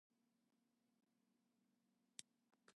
It lies in the civil parish of Pimhill.